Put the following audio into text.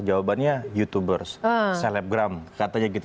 jawabannya youtubers selebgram katanya gitu